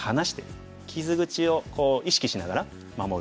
傷口を意識しながら守る。